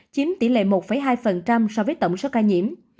chiếm tỷ lệ một hai so với tổng số ca nhiễm